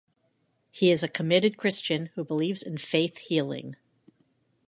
He is a committed Christian who believes in faith healing.